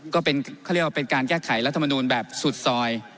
ก็เป็นการแก้ไขรัฐมนูลแบบสุดสอย